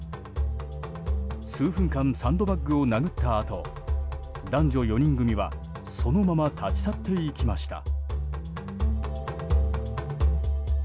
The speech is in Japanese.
数分間サンドバッグを殴ったあと男女４人組はそのまま立ち去っていきました。